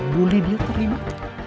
buli dia terlibat